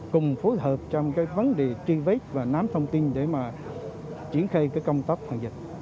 cùng phối hợp trong cái vấn đề truy vết và nắm thông tin để mà triển khai cái công tác phòng dịch